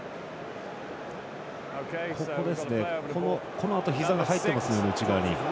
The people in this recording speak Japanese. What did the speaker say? このあとひざが入ってます、内側に。